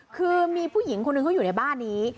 คือมีผู้หญิงคนหนึ่งเขาอยู่ในบ้านนี้